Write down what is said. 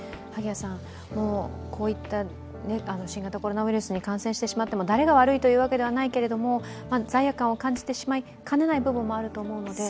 こういった新型コロナウイルスに感染してしまっても誰が悪いということはないですけれども罪悪感を感じてしまいかねない部分もあると思うので。